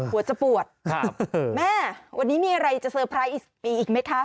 หัวจะปวดแม่วันนี้มีอะไรจะเซอร์ไพรส์อีกปีอีกไหมคะ